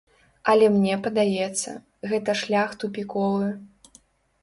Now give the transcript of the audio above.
Але мне падаецца, гэта шлях тупіковы.